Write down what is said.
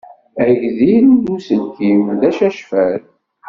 Agdil n uselkim-iw d acacfal.